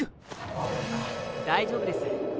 あ大丈夫です。